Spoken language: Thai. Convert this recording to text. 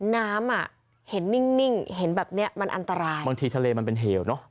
น้ำอ่ะเห็นนิ่งเห็นแบบเนี้ยมันอันตรายบางทีทะเลมันเป็นเหวเนอะ